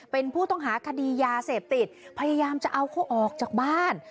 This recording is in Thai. เป็นผู้ต้องหาคดียาเสพติดพยายามจะเอาเขาออกจากบ้าน